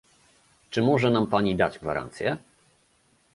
Czy może nam Pani dać gwarancje?